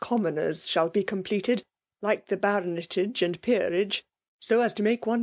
Commoners' shall be completed, like the. Baronetage and Peerage, so as to make one.